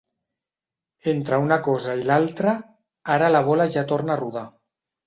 Entre una cosa i l'altra, ara la bola ja torna a rodar.